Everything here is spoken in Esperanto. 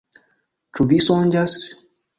Ĉu vi sonĝas?